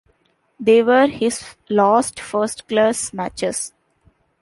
They were his last first-class matches.